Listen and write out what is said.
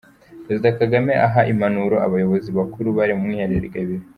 Perezida Kagame aha impanuro abayobozi bakuru bari mu mwiherero i Gabiro